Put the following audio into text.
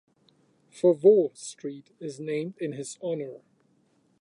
Foveaux Street is named in his honour.